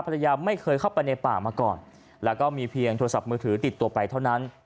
ภรรยาไม่เคยเข้าไปในป่ามาก่อนแล้วก็มีเพียงโทรศัพท์มือถือติดตัวไปเท่านั้น